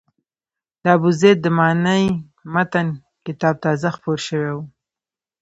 د ابوزید د معنای متن کتاب تازه خپور شوی و.